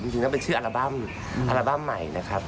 จริงแล้วเป็นชื่ออัลบั้มอัลบั้มใหม่นะครับ